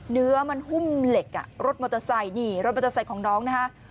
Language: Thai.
เนื้อมันหุ้มเหล็กอ่ะรถมอเตอร์ไซค์นี่รถมอเตอร์ไซค์ของน้องนะฮะ